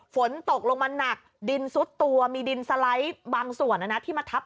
ฝนตกลงมันหนักดินซุดตัวมีดินสะไรส์บางส่วนนะ